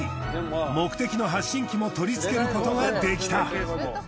目的の発信器も取り付けることができた。